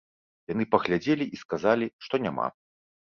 Яны паглядзелі і сказалі, што няма.